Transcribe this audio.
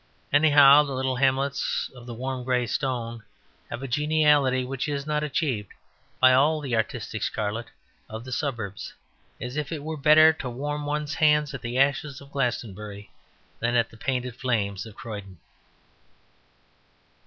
Anyhow, the little hamlets of the warm grey stone have a geniality which is not achieved by all the artistic scarlet of the suburbs; as if it were better to warm one's hands at the ashes of Glastonbury than at the painted flames of Croydon.